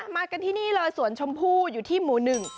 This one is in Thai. มากันที่นี่เลยสวนชมพู่อยู่ที่หมู่หนึ่ง